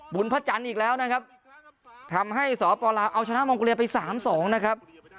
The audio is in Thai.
พระจันทร์อีกแล้วนะครับทำให้สปลาวเอาชนะมองโกเลียไปสามสองนะครับ